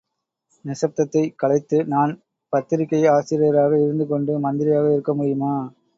நிசப்தத்தைக் கலைத்து நான் பத்திரிகை ஆசிரியராக இருந்து கொண்டு மந்திரியாக இருக்க முடியுமா?